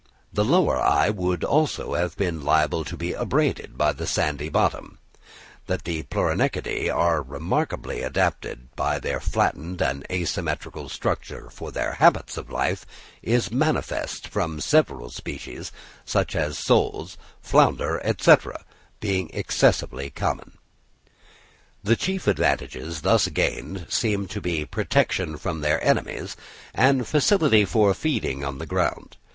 The lower eye would, also, have been liable to be abraded by the sandy bottom. That the Pleuronectidæ are admirably adapted by their flattened and asymmetrical structure for their habits of life, is manifest from several species, such as soles, flounders, &c., being extremely common. The chief advantages thus gained seem to be protection from their enemies, and facility for feeding on the ground.